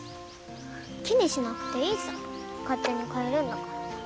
気にしなくていいさ勝手に帰るんだから。